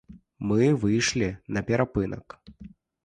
Мы выйшлі на перапынак.